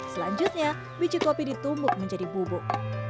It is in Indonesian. selanjutnya biji kopi ditumbuk menjadi bubuk